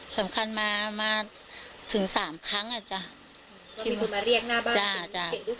สำคัญมามาถึงสามครั้ง่ะจ้ะมีคนมาเรียกหน้าบ้าน